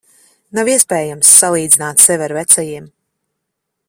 Nav iespējams salīdzināt sevi ar vecajiem.